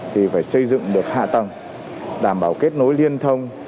thì phải xây dựng được hạ tầng đảm bảo kết nối liên thông